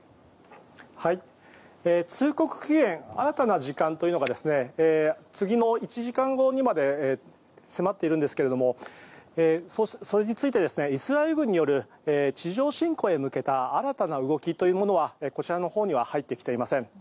通告期限新たな時間というのが次の１時間後にまで迫っているんですけれどもそれについてイスラエル軍による地上侵攻へ向けた新たな動きというのはこちらのほうには入ってきていません。